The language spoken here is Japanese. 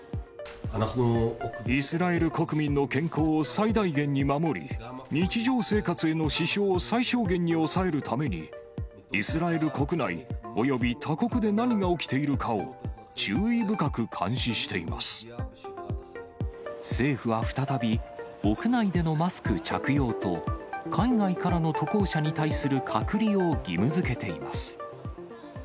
イスラエル国民の健康を最大限に守り、日常生活への支障を最小限に抑えるために、イスラエル国内および他国で何が起きているかを、注意深く監視し政府は再び、屋内でのマスク着用と、海外からの渡航者に対する隔離を義務づけています。